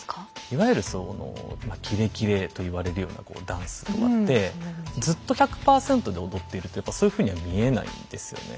いわゆるそのまあキレキレと言われるようなダンスとかってずっと１００％で踊っているとやっぱそういうふうには見えないんですよね。